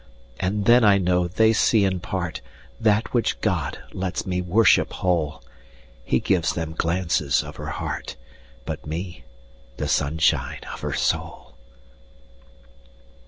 And then I know they see in partThat which God lets me worship whole:He gives them glances of her heart, But me, the sunshine of her soul.